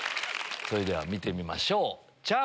それでは見てみましょうちゃん